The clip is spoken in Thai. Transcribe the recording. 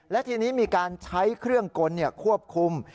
และทีนี้มีการใช้เครื่องกลควบคุม